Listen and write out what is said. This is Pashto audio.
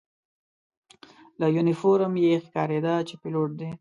له یونیفورم یې ښکارېده چې پیلوټ دی.